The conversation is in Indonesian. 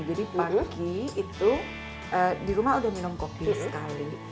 jadi pagi itu di rumah sudah minum kopi sekali